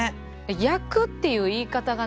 「焼く」っていう言い方がね